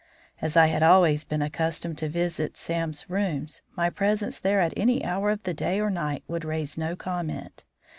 As I had always been accustomed to visit Sam's rooms, my presence there at any hour of the day or night would raise no comment.